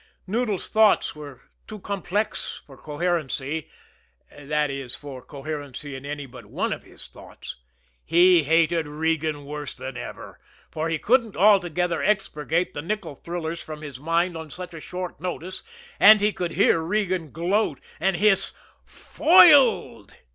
Noodles' thoughts were too complex for coherency that is, for coherency in any but one of his thoughts he hated Regan worse than ever, for he couldn't altogether expurgate the nickel thrillers from his mind on such a short notice, and he could hear Regan gloat and hiss "Foiled!"